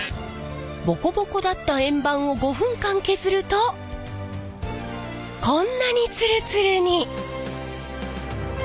ボコボコだった円盤を５分間削るとこんなにツルツルに！